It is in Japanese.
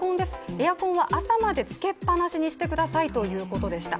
エアコンは朝までつけっぱなしにしてくださいということでした。